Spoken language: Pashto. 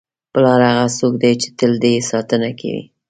پلار هغه څوک دی چې تل دې ساتنه کوي.